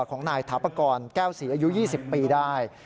ของนายถาปกรแก้วศรีอายุ๒๐ปีได้